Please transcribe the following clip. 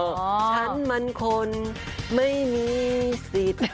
ฉันมันคนไม่มีสิทธิ์